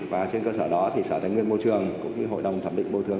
và trên cơ sở đó thì sở thành viên bôi trường cũng như hội đồng thẩm định bồi thường